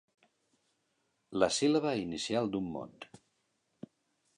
La síl·laba inicial d'un mot.